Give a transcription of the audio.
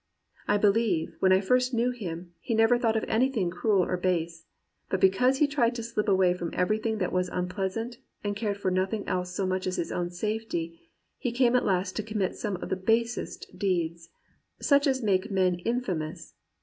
I believe, when I first knew him, he never thought of anything cruel or base. But because he tried to slip away from everything that was unpleasant, and cared for nothing else so much as his own safety, he came at last to commit some of the basest deeds — such as make men in famous.